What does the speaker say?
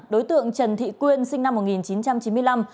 đối tượng trần thị quyên sinh năm một nghìn chín trăm chín mươi năm